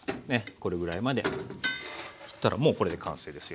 これぐらいまでいったらもうこれで完成ですよ。